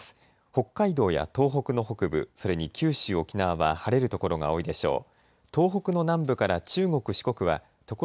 北海道や東北の北部、それに九州、沖縄は晴れる所が多いでしょう。